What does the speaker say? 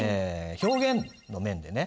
表現の面でね